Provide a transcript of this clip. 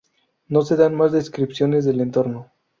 No se dan más descripciones del entorno.